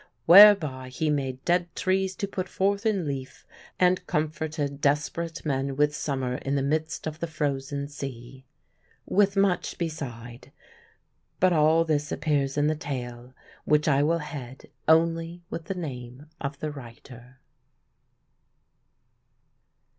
whereby He made dead trees to put forth in leaf, and comforted desperate men with summer in the midst of the Frozen Sea" ... with much beside. But all this appears in the tale, which I will head only with the name of the writer.